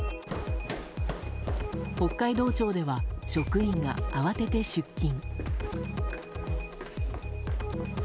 北海道庁では職員が慌てて出勤。